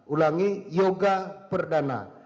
ulangi yoga perdana